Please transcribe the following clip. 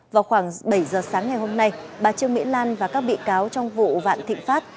vào khoảng bảy giờ sáng ngày hôm nay bà trương mỹ lan và các bị cáo trong vụ vạn thịnh pháp